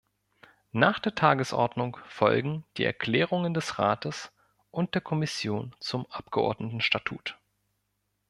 Nach der Tagesordnung folgen die Erklärungen des Rates und der Kommission zum Abgeordnetenstatut.